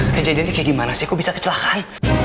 kejadiannya kayak gimana sih kok bisa kecelakaan